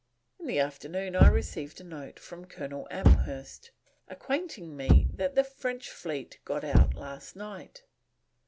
In the afternoon I received a note from Colonel Amherst, acquainting me that the French fleet got out last night.